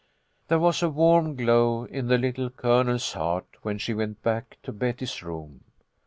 There was a warm glow in the Little Colonel's heart when she went back to Betty's room.